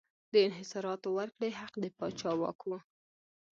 د انحصاراتو ورکړې حق د پاچا واک و.